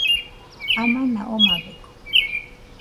Amana omabeko.